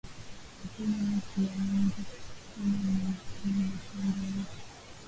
Akuna michi ya mingi sana mu mashamba yetu